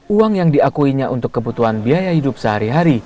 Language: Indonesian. uang yang diakuinya untuk kebutuhan biaya hidup sehari hari